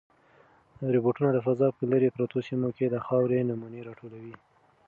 روبوټونه د فضا په لیرې پرتو سیمو کې د خاورې نمونې راټولوي.